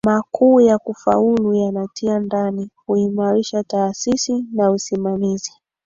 makuu ya kufaulu yanatia ndani kuimarisha taasisi na usimamizi